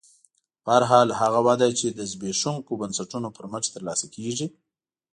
په هر حال هغه وده چې د زبېښونکو بنسټونو پر مټ ترلاسه کېږي